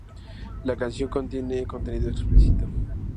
La canción contiene contenido explícito.